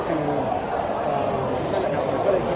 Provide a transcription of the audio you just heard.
แต่ว่าเมื่อจบนานแล้วเนี่ย